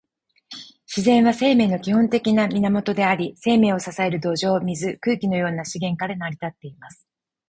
自然は、生命の基本的な源であり、生命を支える土壌、水、空気のような資源から成り立っています。